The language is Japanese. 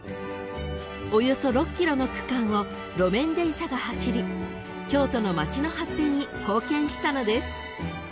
［およそ６ｋｍの区間を路面電車が走り京都の街の発展に貢献したのです］